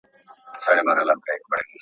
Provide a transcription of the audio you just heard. دوه پاچایان پر یو تخت نه ځايېږي `